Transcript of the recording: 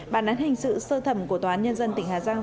bản án hình sự sơ thẩm của tòa án nhân dân tỉnh hà giang